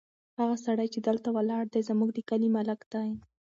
هغه سړی چې دلته ولاړ دی، زموږ د کلي ملک دی.